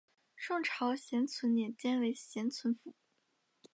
宋朝咸淳年间为咸淳府。